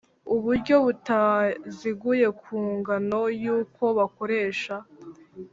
Uburyo butaziguye ku ngano y’uko bakoresha